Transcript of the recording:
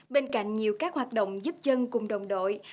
bên cạnh nhiều các hoạt động giúp chân cùng đồng đội